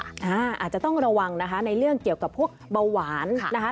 อาจจะต้องระวังนะคะในเรื่องเกี่ยวกับพวกเบาหวานนะคะ